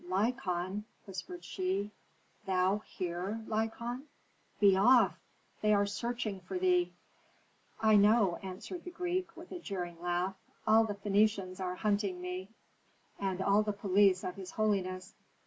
"Lykon!" whispered she. "Thou here, Lykon? Be off! They are searching for thee." "I know," answered the Greek, with a jeering laugh. "All the Phœnicians are hunting me, and all the police of his holiness.